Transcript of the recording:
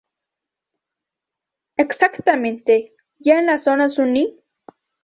Exactamente, ya en la zona suni.